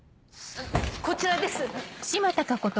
こちらです！